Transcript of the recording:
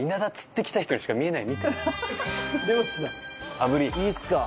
炙りいいっすか？